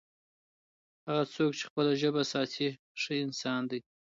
هغه څوک چي خپله ژبه ساتي، ښه انسان دی.